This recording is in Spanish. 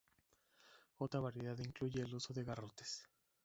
Otra variedad incluye el uso de garrotes.